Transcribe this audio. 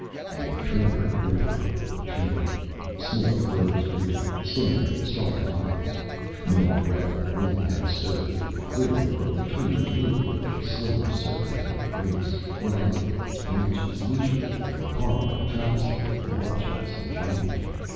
A tremor rippled over the Tree. Smith froze rigid, staring with startled eyes. No breath of wind had stirred through the clearing, but the Tree was moving with a slow, serpentine grace, writhing its branches leisurely in a horrible travesty of voluptuous enjoyment.